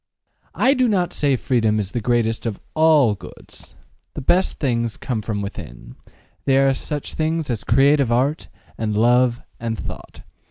I do not say freedom is the greatest of ALL goods: the best things come from within they are such things as creative art, and love, and thought.